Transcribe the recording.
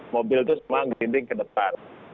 mobil itu semua ginding ke depan